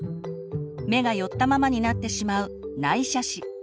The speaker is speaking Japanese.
目が寄ったままになってしまう「内斜視」